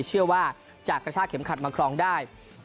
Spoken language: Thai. เชื่อว่าจะกระชากเข็มขัดมาครองได้